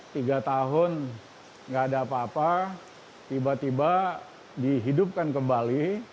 tiga tahun gak ada apa apa tiba tiba dihidupkan kembali